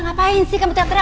ngapain sih kamu terang terang